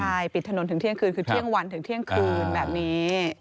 ใช่ปิดถนนถึงเที่ยงคืนคือเที่ยงวันถึงเที่ยงคืนแบบนี้